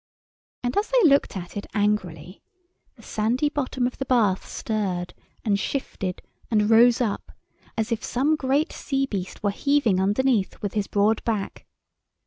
And as they looked at it angrily, the sandy bottom of the bath stirred and shifted and rose up, as if some great sea beast were heaving underneath with his broad back.